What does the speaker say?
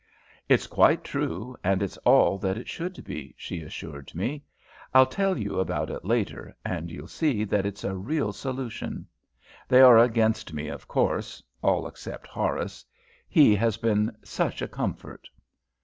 "It's quite true, and it's all that it should be," she reassured me. "I'll tell you about it later, and you'll see that it's a real solution. They are against me, of course, all except Horace. He has been such a comfort."